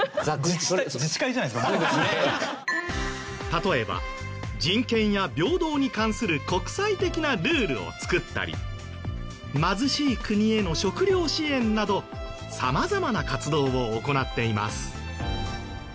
例えば人権や平等に関する国際的なルールを作ったり貧しい国への食料支援など様々な活動を行っています。